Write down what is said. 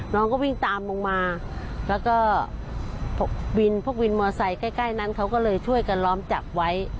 น้องก็วิ่งตามลงมาแล้วก็วินพวกวินมอไซค์ใกล้นั้นเขาก็เลยช่วยกันล้อมจับไว้